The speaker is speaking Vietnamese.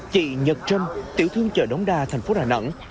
chị nhật trâm tiểu thương chợ đống đa thành phố đà nẵng